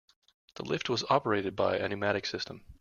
The lift was operated by a pneumatic system.